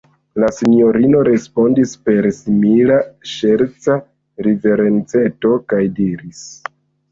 La sinjorino respondis per simila ŝerca riverenceto, kaj diris: